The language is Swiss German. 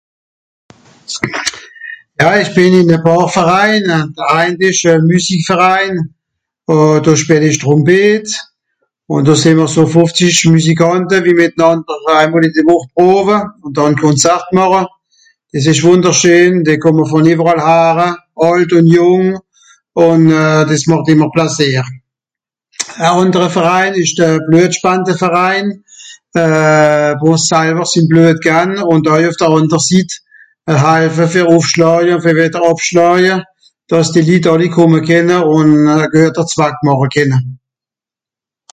Ja ìch bìn ìn e pààr Verein, Eijentlich Müsikverein, euh... do spìel ìch Trùmpet. Ùn do sìì'mr so fùfzisch Müsikànte, wie mìtnànder drei mol ìn de Wùch prowe. Ùn dànn Konzart màche. Dìs ìsch wùnderschee, dìe kùmme vùn ìwweral hare, àlt ùn jùng, ùn... euh dìs màcht ìmmer Plasìer. E ànderer Verein ìsch de Bluetspandeverein. Euh... bon salwer sin Bluet gan, ùn oei ùff de ànder Sitt. E halfe fer (...) ùn fer wìdder (...), dàss die Litt alli kùmme kenne ùn e gueter Zwack màche kenne.